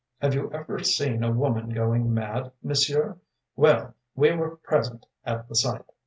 Have you ever seen a woman going mad, monsieur? Well, we were present at the sight!